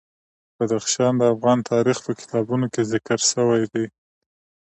بدخشان د افغان تاریخ په کتابونو کې ذکر شوی دي.